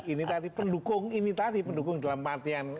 ini tadi pendukung ini tadi pendukung dalam artian